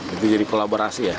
hmm jadi kolaborasi ya